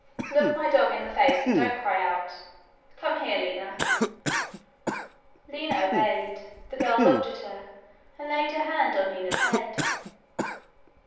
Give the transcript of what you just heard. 'Look my dog in the face and don't cry out. Come here, Lina.' Lina obeyed. The girl looked at her, and laid her hand on Lina's head.